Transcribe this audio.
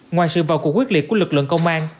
ngoài sự vào cuộc quyết liệt của lực lượng công an